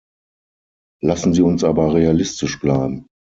Lassen Sie uns aber realistisch bleiben.